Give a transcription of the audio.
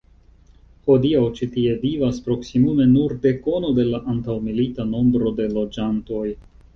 Hodiaŭ ĉi tie vivas proksimume nur dekono de la antaŭmilita nombro de loĝantoj.